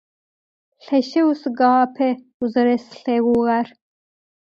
Lheşşeu siguape vuzereslheğuğer.